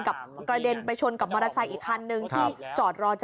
กับกระเด็นไปชนกับมอเธออีกทันหนึ่งครับจอดรอจะ